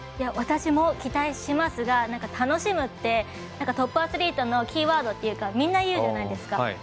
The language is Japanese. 私も期待しますが楽しむってトップアスリートのキーワードというかみんな言うじゃないですか。